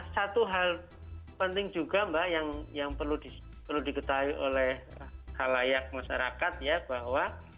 satu hal penting juga mbak yang perlu diketahui oleh halayak masyarakat ya bahwa